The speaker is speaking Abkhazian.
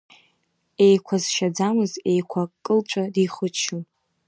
Еиқәа зшьаӡамыз, еиқәа кыльҵва дихыччон!